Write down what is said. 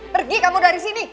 pergi kamu dari sini